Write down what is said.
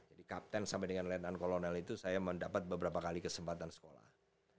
jadi kapten sama dengan lennon kolonel itu saya mendapat beberapa kali kesempatan sekolah